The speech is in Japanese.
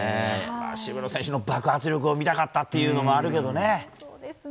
渋野選手の爆発力を見たかったっていうのもあるけどね。